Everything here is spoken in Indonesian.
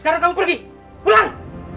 sekarang kamu pergi pulang